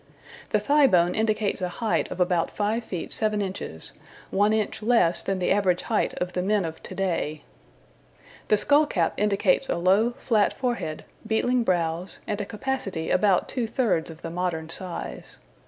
The thigh bone indicates a height of about 5 feet 7 inches, one inch less than the average height of the men of to day. The skull cap indicates a low, flat forehead, beetling brows, and a capacity about two thirds of the modern size.